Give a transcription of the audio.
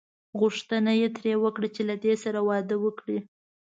غوښتنه یې ترې وکړه چې له دې سره واده وکړي.